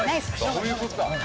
そういうことだ。